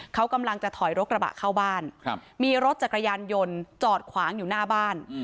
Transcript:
เขากำลังจะถอยรถกระบะเข้าบ้านมีรถจักรยานยนต์จอดขวางอยู่หน้าบ้าน